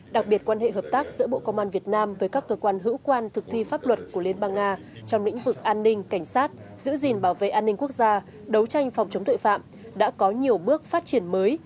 đặc biệt quan hệ hợp tác giữa bộ công an việt nam với các cơ quan hữu quan thực thi pháp luật của liên bang nga trong lĩnh vực an ninh cảnh sát giữ gìn bảo vệ an ninh quốc gia đấu tranh phòng chống tội phạm đã có nhiều bước phát triển mới